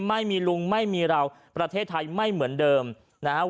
ไม่มีลุงไม่มีเราประเทศไทยไม่เหมือนเดิมนะครับ